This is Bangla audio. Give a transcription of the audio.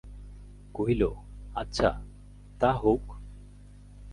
কহিল, আচ্ছা, তা হউক।